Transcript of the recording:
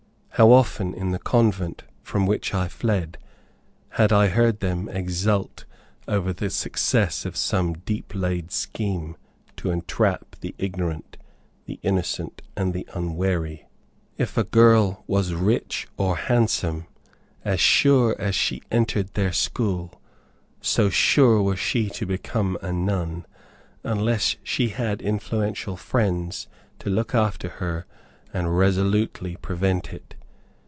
How often, in the convent from which I fled, had I heard them exult over the success of some deep laid scheme to entrap the ignorant, the innocent and the unwary! If a girl was rich or handsome, as sure as she entered their school, so sure was she to become a nun, unless she had influential friends to look after her and resolutely prevent it.